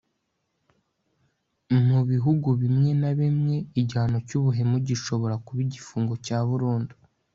mu bihugu bimwe na bimwe, igihano cy'ubuhemu gishobora kuba igifungo cya burundu